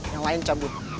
yang lain cabut